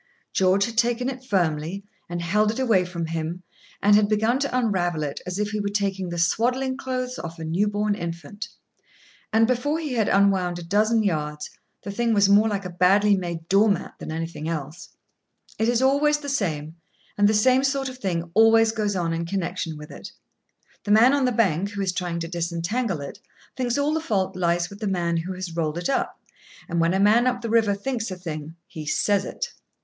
George had taken it firmly, and held it away from him, and had begun to unravel it as if he were taking the swaddling clothes off a new born infant; and, before he had unwound a dozen yards, the thing was more like a badly made door mat than anything else. It is always the same, and the same sort of thing always goes on in connection with it. The man on the bank, who is trying to disentangle it, thinks all the fault lies with the man who rolled it up; and when a man up the river thinks a thing, he says it.